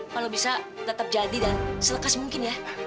kalau bisa tetap jadi dan selekas mungkin ya